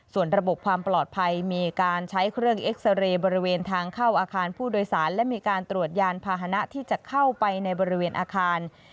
ส่วนระบบความปลอดภัยมีการใช้เครื่องเอ็กซาเรย์บริเวณทางเข้าอาคารผู้โดยสารและมีการตรวจยานพาหนะที่จะเข้าไปในบริเวณอาคาร